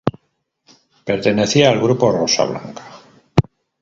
Pertenecía al grupo Rosa Blanca.